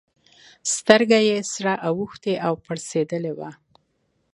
سترگه يې سره اوښتې او پړسېدلې وه.